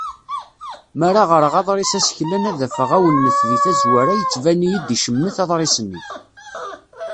Mi ara ɣreɣ aḍris aseklan ad afeɣ awennet di tazwara yettvan-iyi-d icemmet aḍris-nni.